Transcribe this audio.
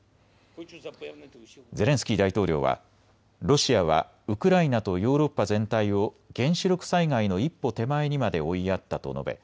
ゼレンスキー大統領は、ロシアはウクライナとヨーロッパ全体を原子力災害の一歩手前にまで追いやったと述べ